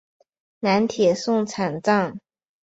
南铁送场站。